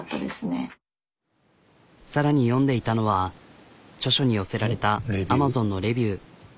さらに読んでいたのは著書に寄せられたＡｍａｚｏｎのレビュー。